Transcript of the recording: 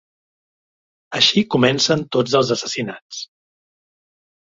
Així comencen tots els assassinats.